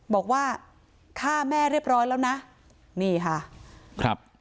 บอกว่าฆ่าแม่เรียบร้อยแล้วนะนี่ค่ะครับ